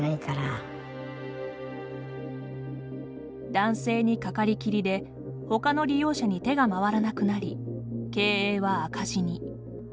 男性にかかりきりでほかの利用者に手が回らなくなり経営は赤字に。